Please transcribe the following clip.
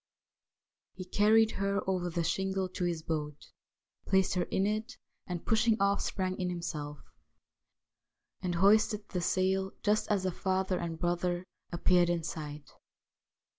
He carried her over the shingle to his boat, placed her in it, and pushing off sprang in himself, and hoisted the sail just as the father and brother appeared in sight.